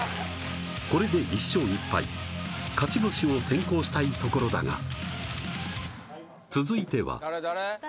これで１勝１敗勝ち星を先行したいところだが続いては誰？